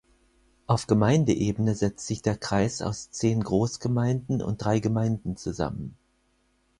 Auf Gemeindeebene setzt sich der Kreis aus zehn Großgemeinden und drei Gemeinden zusammen.